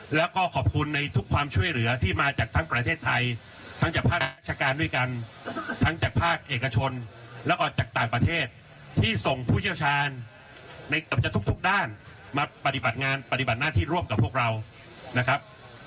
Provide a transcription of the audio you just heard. แล้วก็ขอบคุณในทุกความช่วยเหลือที่มาจากทั้งประเทศไทยทั้งจากภาคราชการด้วยกันทั้งจากภาคเอกชนแล้วก็จากต่างประเทศที่ส่งผู้เชี่ยวชาญในเกือบจะทุกด้านมาปฏิบัติงานปฏิบัติหน้าที่ร่วมกับพวกเรานะครับ